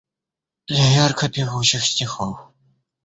Для ярко певучих стихов